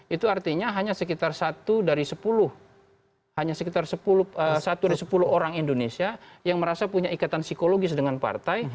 itu artinya hanya sekitar satu dari sepuluh hanya sekitar satu dari sepuluh orang indonesia yang merasa punya ikatan psikologis dengan partai